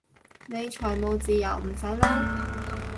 你財務自由唔使撈？